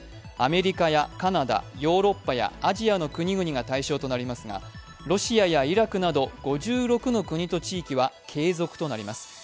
アメリカやカナダ、ヨーロッパやアジアの国々が対象となりますがロシアやイラクなど５６の国と地域は継続となります。